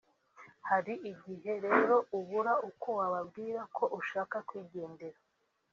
Hari igihe rero ubura uko wababwira ko ushaka kwigendera